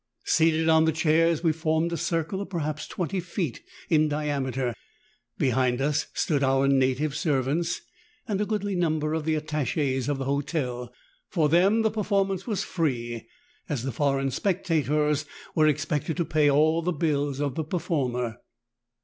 Seated on the chairs we formed a circle of perhaps twenty feet in diameter; behind us stood our native servants and a goodly number of the attaches of the hotel. For them the performance was free, as the foreign spectators were expected to pay all the bills of the performer.